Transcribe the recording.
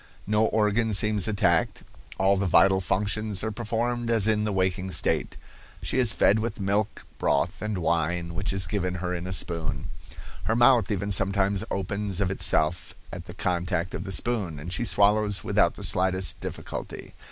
"No organ seems attacked; all the vital functions are performed as in the waking state. She is fed with milk, broth and wine, which is given her in a spoon. Her mouth even sometimes opens of itself at the contact of the spoon, and she swallows without the slightest difficulty.